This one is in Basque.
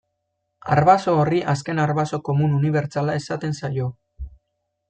Arbaso horri azken arbaso komun unibertsala esaten zaio.